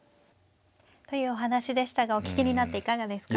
というお話でしたがお聞きになっていかがですか。